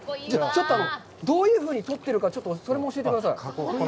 ちょっと、どういうふうに取っているか、それも教えてください。